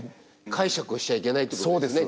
解釈をしちゃいけないってことですね